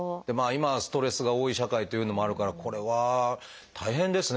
今はストレスが多い社会というのもあるからこれは大変ですね先生。